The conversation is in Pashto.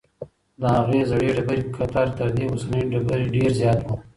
د هغې زړې ډبرې قطر تر دې اوسنۍ ډبرې ډېر زیات و.